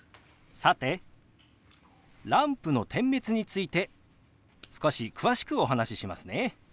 さてランプの点滅について少し詳しくお話ししますね。